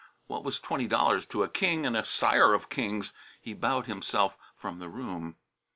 What was twenty dollars to a king and a sire of kings? He bowed himself from the room.